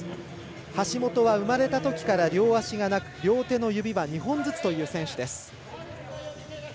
橋本は生まれたときから両足はなく両手の指は２本ずつという選手。